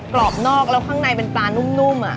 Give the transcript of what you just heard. กรอบนอกแล้วข้างในเป็นปลานุ่ม